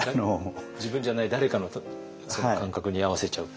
自分じゃない誰かの感覚に合わせちゃう。